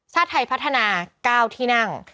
ไทยพัฒนา๙ที่นั่ง